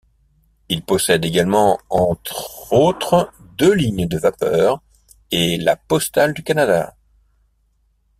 Il possède également entre autres deux lignes de vapeurs et la Postale du Canada.